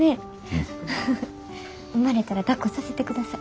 産まれたらだっこさせてください。